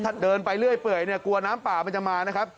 ถ้าเดินไปเรื่อยกลัวน้ำป่ามันจะมานะครับ